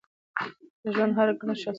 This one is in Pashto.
د ژوند هره کړنه د شخصیت ودې لامل ده.